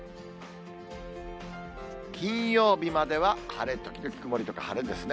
金曜日までは晴れ時々曇りとか晴れですね。